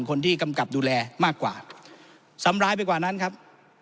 กำกับดูแลมากกว่าซ้ำร้ายไปกว่านั้นครับ